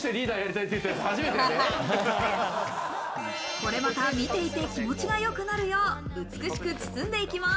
これまた見ていて気持ちが良くなるよう、美しく包んでいきます。